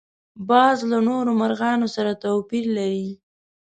باز له نورو مرغانو سره توپیر لري